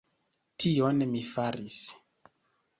Tion mi faris.